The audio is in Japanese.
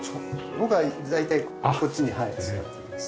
僕は大体こっちに座ってます。